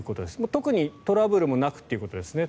特にトラブルもなくということですね。